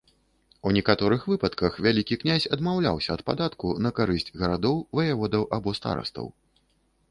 У некаторых выпадках вялікі князь адмаўляўся ад падатку на карысць гарадоў, ваяводаў або старастаў.